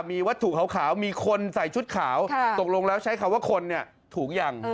มีว่าถูกขาวมีคนใส่ชุดขาวตกลงแล้วใช้คำว่าคนถูกอย่าง